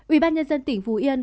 ubnd tỉnh phú yên